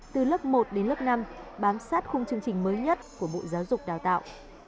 từ lớp một đến lớp năm bám sát khung chương trình mới nhất của bộ giáo dục đào tạo